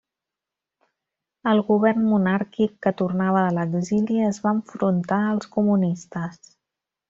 El govern monàrquic que tornava de l'exili es va enfrontar als comunistes.